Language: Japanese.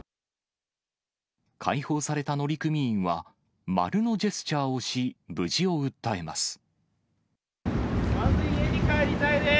解放された乗組員は、丸のジェスチャーをし、無事を訴えます。